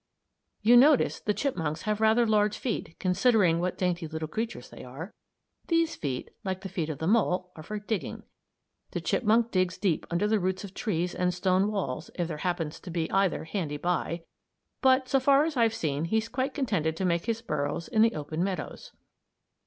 You notice the chipmunks have rather large feet, considering what dainty little creatures they are. These feet, like the feet of the mole, are for digging. The chipmunk digs deep under the roots of trees and stone walls, if there happens to be either handy by, but, so far as I've seen, he's quite contented to make his burrows in the open meadows.